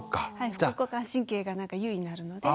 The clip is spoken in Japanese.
副交感神経が優位になるので。